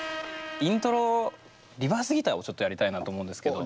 イントロリバースギターをちょっとやりたいなと思うんですけど。